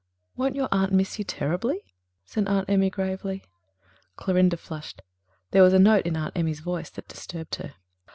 "Won't your aunt miss you terribly?" said Aunt Emmy gravely. Clorinda flushed. There was a note in Aunt Emmy's voice that disturbed her.